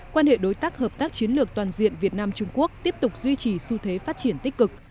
quan hệ đối tác hợp tác chiến lược toàn diện việt nam trung quốc tiếp tục duy trì xu thế phát triển tích cực